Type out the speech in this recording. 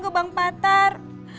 ke bang patar